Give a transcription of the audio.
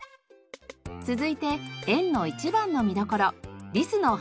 続いて園の一番の見どころリスの放し飼い広場へ。